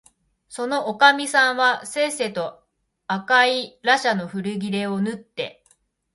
そのおかみさんはせっせと赤いらしゃの古切れをぬって、